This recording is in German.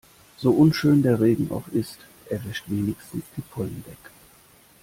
So unschön der Regen auch ist, er wäscht wenigstens die Pollen weg.